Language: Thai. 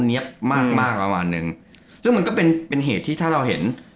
เนี้ยมากมากประมาณนึงซึ่งมันก็เป็นเป็นเหตุที่ถ้าเราเห็น